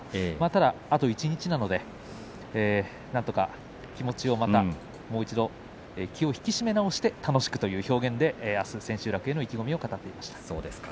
ただ、あと一日なのでなんとか気を引き締め直して楽しくという表現であす千秋楽への意気込みを語っていました。